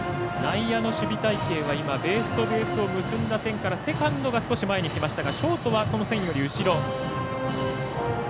内野の守備隊形は今ベースとベースを結んだ線からセカンドが少し前に来ましたがショートはその線より後ろ。